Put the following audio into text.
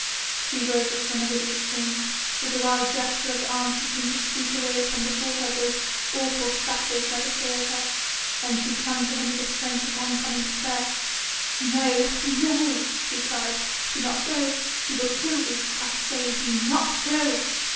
She woke as from a hideous dream. With a wild gesture of the arms she seemed to sweep away from before her those awful spectres that assailed her. Then she clung to him with the strength of oncoming despair. "No no," she cried, "do not go ... he will kill thee, I say ... do not go...."